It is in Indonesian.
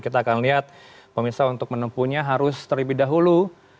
kita akan lihat pemirsa untuk menempuhnya harus terlebih dahulu